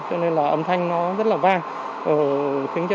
cho nên là âm thanh nó rất là vang